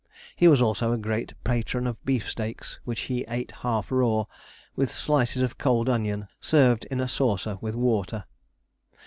He was also a great patron of beefsteaks, which he ate half raw, with slices of cold onion served in a saucer with water.